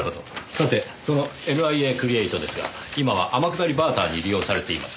さてそのＮＩＡクリエイトですが今は天下りバーターに利用されています。